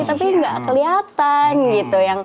tapi nggak kelihatan gitu